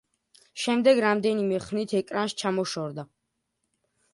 შემდეგ, რამდენიმე ხნით ეკრანს ჩამოშორდა.